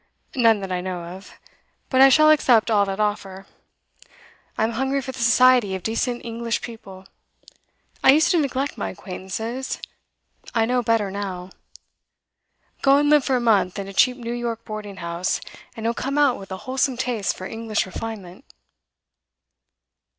'None that I know of. But I shall accept all that offer. I'm hungry for the society of decent English people. I used to neglect my acquaintances; I know better now. Go and live for a month in a cheap New York boarding house, and you'll come out with a wholesome taste for English refinement.